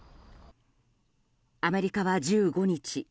アメリカは１５日